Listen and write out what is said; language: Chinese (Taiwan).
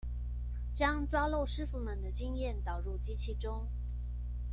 將抓漏師傅們的經驗導入機器中